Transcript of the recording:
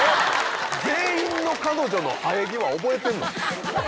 ⁉全員の彼女の生え際覚えてんの？